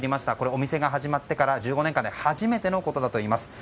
お店が始まってから１５年間で初めてのことだといいます。